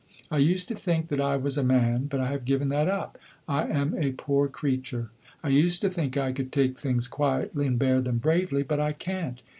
I used to think that I was a man, but I have given that up; I am a poor creature! I used to think I could take things quietly and bear them bravely. But I can't!